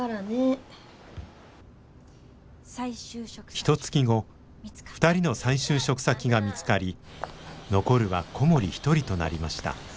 ひとつき後２人の再就職先が見つかり残るは小森一人となりました。